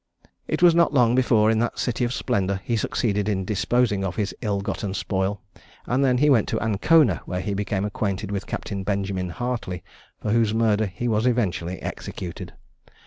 It was not long before, in that city of splendour, he succeeded in disposing of his ill gotten spoil, and then he went to Ancona, where he became acquainted with Captain Benjamin Hartley, for whose murder he was eventually executed.